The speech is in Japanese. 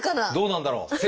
どうなんだろう？